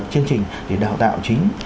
chương trình để đào tạo chính